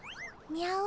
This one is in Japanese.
にゃお。